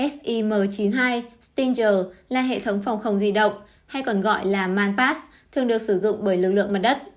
sim chín mươi hai stynger là hệ thống phòng không di động hay còn gọi là manpass thường được sử dụng bởi lực lượng mặt đất